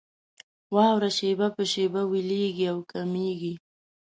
واوره شېبه په شېبه ويلېږي او کمېږي.